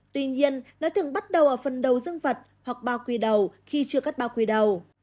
tuy nhiên nó thường bắt đầu ở phần đầu dân vật hoặc bao quy đầu khi chưa cắt bao quy đầu